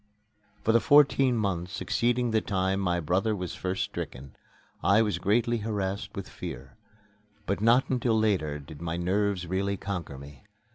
For the fourteen months succeeding the time my brother was first stricken, I was greatly harassed with fear; but not until later did my nerves really conquer me.